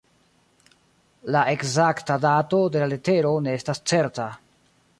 La ekzakta dato de la letero ne estas certa.